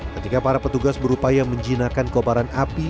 ketika para petugas berupaya menjinakan kobaran api